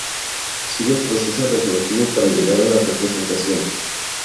Sigue el proceso creativo hasta llegar a la representación.